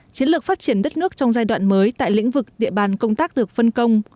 chiến lược phát triển đất nước trong giai đoạn mới tại lĩnh vực địa bàn công tác được phân công